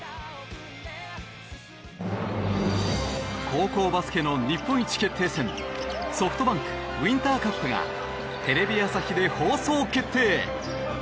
高校バスケの日本一決定戦ＳｏｆｔＢａｎｋウインターカップがテレビ朝日で放送決定！